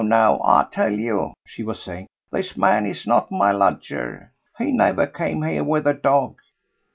no! I tell you!" she was saying. "This man is not my lodger. He never came here with a dog.